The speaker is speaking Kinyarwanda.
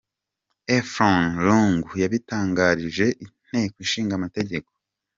Effron Lungu, yabitangarije Inteko Ishinga amategeko.